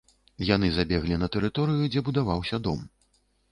Яны забеглі на тэрыторыю, дзе будаваўся дом.